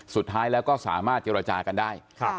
สุดท้ายแล้วก็สามารถเจรจากันได้